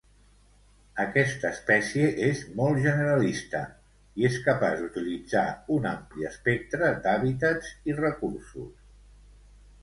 Aquesta espècie és molt generalista i és capaç d'utilitzar un ampli espectre d'hàbitats i recursos.